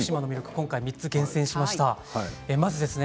今回は３つ厳選しました。